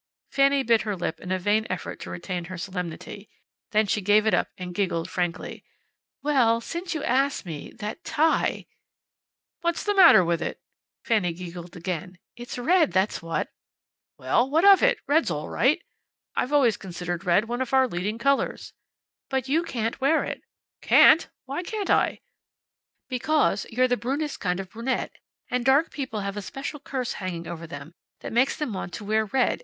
Fanny bit her lip in a vain effort to retain her solemnity. Then she gave it up and giggled, frankly. "Well, since you ask me, that tie! " "What's the matter with it?" Fanny giggled again. "It's red, that's what." "Well, what of it! Red's all right. I've always considered red one of our leading colors." "But you can't wear it." "Can't! Why can't I?" "Because you're the brunest kind of brunette. And dark people have a special curse hanging over them that makes them want to wear red.